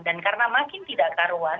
dan karena makin tidak karuan